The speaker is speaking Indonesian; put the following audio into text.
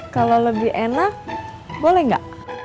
kalau lebih enak boleh nggak